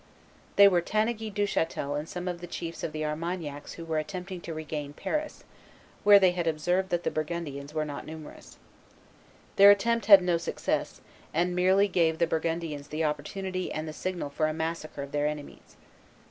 They were Tanneguy Duchatel and some of the chiefs of the Armagnacs who were attempting to regain Paris, where they had observed that the Burgundians were not numerous. Their attempt had no success, and merely gave the Burgundians the opportunity and the signal for a massacre of their enemies.